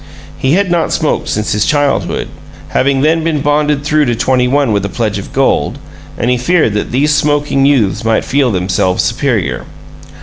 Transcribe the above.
He had not smoked since his childhood having then been bonded through to twenty one with a pledge of gold and he feared that these smoking youths might feel themselves superior.